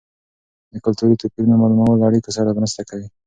د کلتوري توپیرونو معلومول له اړیکو سره مرسته کوي.